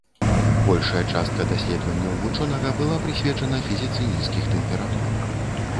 Большая частка даследаванняў вучонага была прысвечана фізіцы нізкіх тэмператур.